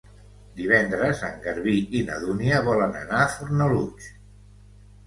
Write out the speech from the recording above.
Divendres en Garbí i na Dúnia volen anar a Fornalutx.